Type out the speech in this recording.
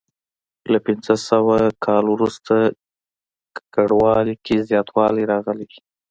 له پنځه سوه کال وروسته ککړوالي کې زیاتوالی راغلی.